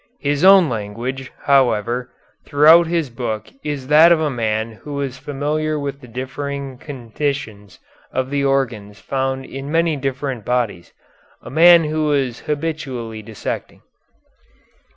His own language, however, throughout his book is that of a man who was familiar with the differing conditions of the organs found in many different bodies; a man who was habitually dissecting."